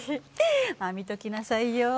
まあ見ときなさいよ。